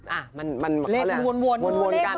อ่า็ะมันเล็กวนกัน